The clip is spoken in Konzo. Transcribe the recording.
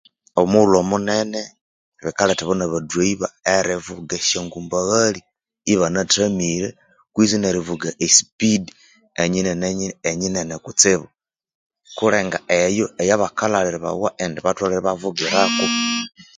Omughulhu omunene bikalethabawa naba durayiva erivuga esyo ngumbaghali ibanathamire, kwizi nerivuga esipidi enyinenenyi enyinene kutsibu kulenga eyo eya bakalhaghiribawa indi batholere iba vugirako vvvv